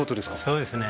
そうですね